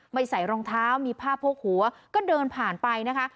ใส่รองเท้ามีผ้าโพกหัวก็เดินผ่านไปนะคะ